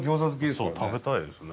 そう食べたいですね。